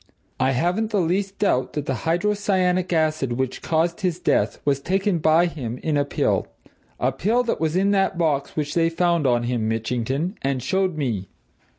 I haven't the least doubt that the hydrocyanic acid which caused his death was taken by him in a pill a pill that was in that box which they found on him, Mitchington, and showed me.